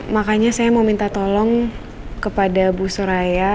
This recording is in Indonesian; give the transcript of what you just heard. makanya saya mau minta tolong kepada bu suraya